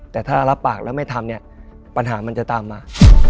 แต่ถ้ารับปากแล้วไม่ทำเนี่ยปัญหามันจะตามมา